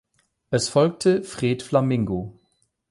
Es folgte "Fred Flamingo".